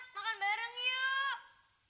makan bareng yuk